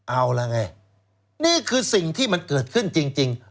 เอาละไงนี่คือสิ่งที่มันเกิดขึ้นจริง